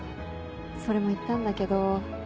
それも言ったんだけど。